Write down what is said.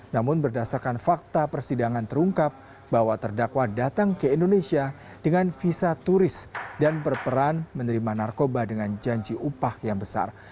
namun berdasarkan fakta persidangan terungkap bahwa terdakwa datang ke indonesia dengan visa turis dan berperan menerima narkoba dengan janji upah yang besar